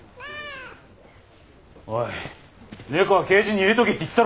おい猫はケージに入れとけって言ったろうが。